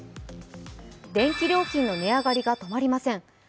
電気料金の値上がりが止まりません。